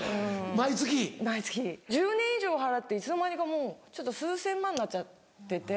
毎月１０年以上払っていつの間にか数千万円になっちゃってて。